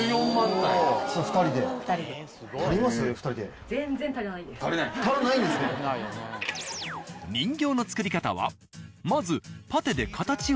人形の作り方はまず。